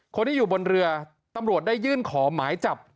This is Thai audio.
คนที่อยู่บนเรือตำรวจได้ยื่นขอหมายจับ